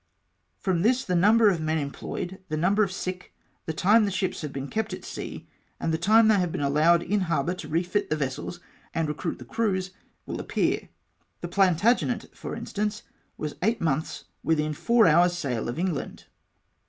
From this the number of men employed, the number of sick, the time the ships have been kept at sea, and the time they have been allowed in harbour to refit the vessels and recruit the crews, will ap pear. The Plantagenet, for instance, was eight months within four hours' sail of England.